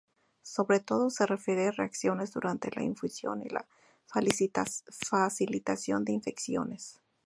Sobre todo se refieren a reacciones durante la infusión, y a facilitación de infecciones.